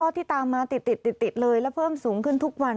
ที่ตามมาติดติดเลยและเพิ่มสูงขึ้นทุกวัน